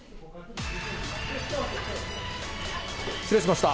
失礼しました。